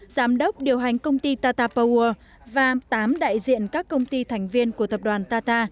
giám đốc điều hành công ty tata poworld và tám đại diện các công ty thành viên của tập đoàn tata